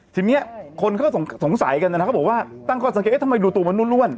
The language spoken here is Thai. ทีเนี้ยคนเขาสงสัยกันนะครับเขาบอกว่าตั้งความสังเกตเอ๊ะทำไมดูตัวมันนุ่นนุ่น